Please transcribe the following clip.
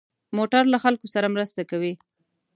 موټر له خلکو سره مرسته کوي.